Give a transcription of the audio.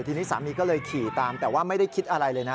ทีนี้สามีก็เลยขี่ตามแต่ว่าไม่ได้คิดอะไรเลยนะ